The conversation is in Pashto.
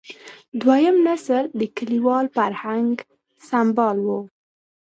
دویم نسل د کلیوال فرهنګ سمبال و.